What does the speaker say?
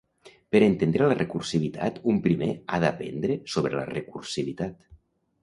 Per entendre la recursivitat, un primer ha d'aprendre sobre la recursivitat.